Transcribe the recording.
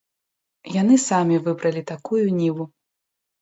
Яны самі выбралі такую ніву.